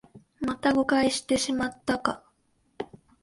また誤解してしまったか